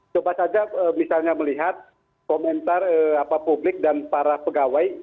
coba saja misalnya melihat komentar publik dan para pegawai